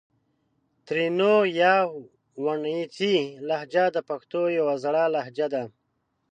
ترینو یا وڼېڅي لهجه د پښتو یو زړه لهجه ده